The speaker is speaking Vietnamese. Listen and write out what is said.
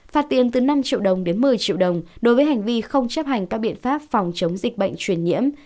phạt tiền từ năm triệu đồng đến một mươi triệu đồng đối với hành vi không chấp hành các biện pháp phòng chống dịch bệnh truyền nhiễm